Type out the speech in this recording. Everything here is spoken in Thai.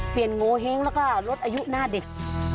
โงเห้งแล้วก็ลดอายุหน้าเด็ก